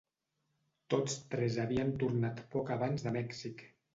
Tots tres havien tornat poc abans de Mèxic.